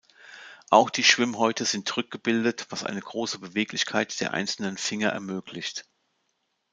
Auch die Schwimmhäute sind rückgebildet, was eine große Beweglichkeit der einzelnen Finger ermöglicht.